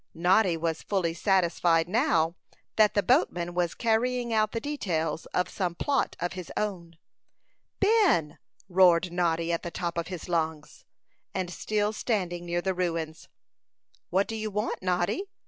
Noddy was fully satisfied now that the boatman was carrying out the details of some plot of his own. "Ben!" roared Noddy, at the top of his lungs, and still standing near the ruins. "What do you want, Noddy?"